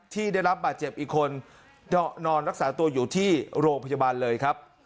ที่ได้รับบาดเจ็บอีกคนนอนรักษาตัวอยู่ที่โรงพยาบาลเลยครับ